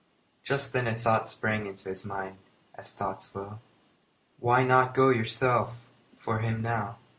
Just then a thought sprang into his mind, as thoughts will. "Why not go yourself for him now?"